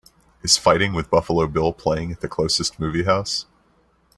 Is Fighting With Buffalo Bill playing at the closest movie house